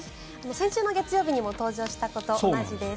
先週の月曜日にも登場した子と同じです。